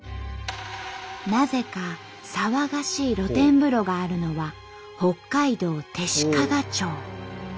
なぜか騒がしい露天風呂があるのは北海道弟子屈町。